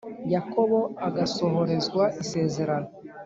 Yakobo agasohorezwa isezerano